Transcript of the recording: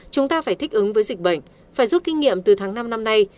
chúng ta phải thích ứng với dịch bệnh phải rút kinh nghiệm từ tháng năm năm nay